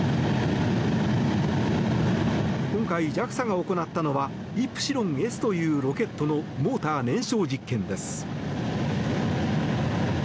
今回、ＪＡＸＡが行ったのはイプシロンＳというロケットのモーター燃焼実験です。